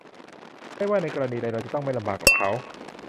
ไม่ว่าในกรณีใดเราจะต้องไม่ลำบากกับเขา